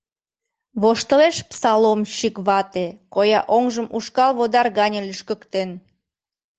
Воштылеш псаломщик вате, коя оҥжым ушкал водар гане лӱшкыктен.